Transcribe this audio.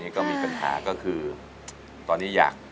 ให้มันใหญ่ขึ้น